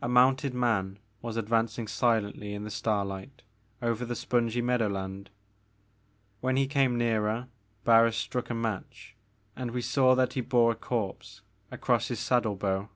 A mounted man was advancing silently in the starlight over the spongy meadowland. When he came nearer Barns struck a match, and we saw that he bore a corpse across his saddle bow.